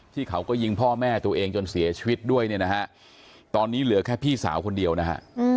เขาก็ยิงพ่อแม่ตัวเองจนเสียชีวิตด้วยเนี่ยนะฮะตอนนี้เหลือแค่พี่สาวคนเดียวนะฮะ